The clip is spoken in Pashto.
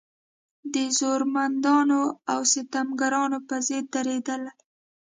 د زورمندانو او ستمګرانو په ضد درېدلې.